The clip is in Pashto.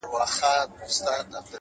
خپل کار د وجدان له مخې ترسره کړئ؛